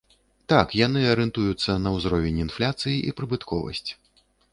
Так, яны арыентуюцца на ўзровень інфляцыі і прыбытковасць.